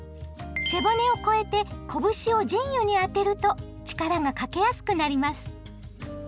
背骨を越えて拳を腎兪に当てると力がかけやすくなります。